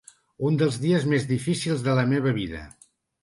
Un dels dies més difícils de la meva vida.